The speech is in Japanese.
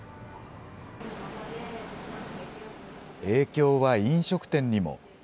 影響は飲食店にも。